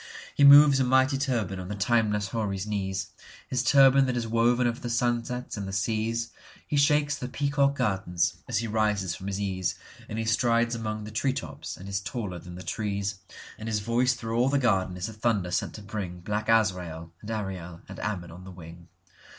He moves a mighty turban on the timeless houri's knees, His turban that is woven of the sunsets and the seas. He shakes the peacock gardens as he rises from his ease, And he strides among the tree tops and is taller than the trees; And his voice through all the garden is a thunder sent to bringBlack Azrael and Ariel and Ammon on the wing.